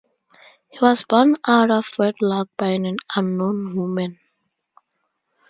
He was born out of wedlock by an unknown woman.